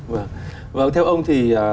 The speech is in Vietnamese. vâng vâng theo ông thì